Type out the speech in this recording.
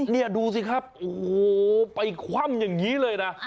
นี่ดูสิครับโอ้โหไปคว่ำอย่างนี้เลยนะ